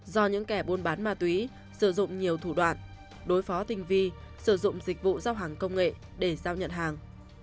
do những kẻ buôn bán ma túy sử dụng nhiều thủ đoạn đối phó tình vi sử dụng dịch vụ giao hàng công nghệ để giao nhận hàng